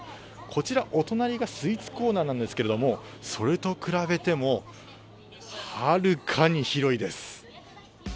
こちらお隣がスイーツコーナーなんですが、それと比べても、はるかに広いです